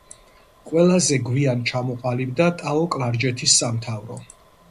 ყველაზე გვიან ჩამოყალიბდა ტაო-კლარჯეთის სამთავრო.